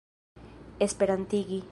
esperantigi